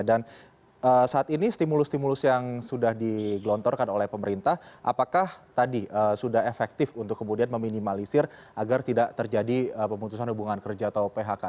dan saat ini stimulus stimulus yang sudah digelontorkan oleh pemerintah apakah tadi sudah efektif untuk kemudian meminimalisir agar tidak terjadi pemutusan hubungan kerja atau phk